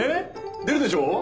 出るでしょ？